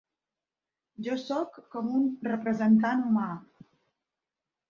Jo soc com un representant humà.